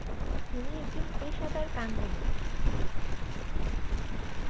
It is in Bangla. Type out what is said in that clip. তিনি একজন পেশাদারী কান্দনী।